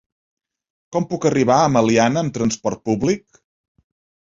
Com puc arribar a Meliana amb transport públic?